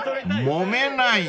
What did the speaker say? ［もめないの］